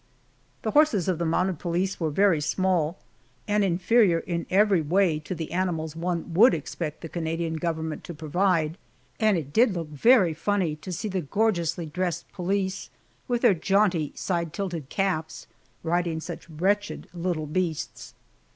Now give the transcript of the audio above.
The horses of the mounted police were very small, and inferior in every way to the animals one would expect the Canadian government to provide, and it did look very funny to see the gorgeously dressed police with their jaunty, side tilted caps riding such wretched little beasts!